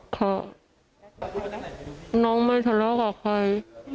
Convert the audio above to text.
ก็น้องไม่ทะเลาะกับใคร